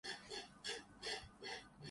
تو مسافر کی حیثیت سے۔